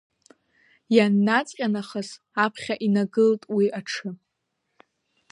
Ианнаҵҟьа нахыс аԥхьа инагылт уи аҽы…